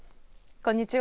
こんにちは。